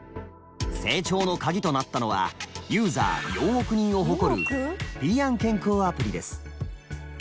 成長のカギとなったのはユーザー４億人を誇る平安健康アプリです。